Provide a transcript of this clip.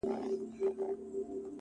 • د سترگو سرو لمبو ته دا پتنگ در اچوم؛